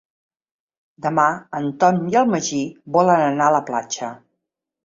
Demà en Tom i en Magí volen anar a la platja.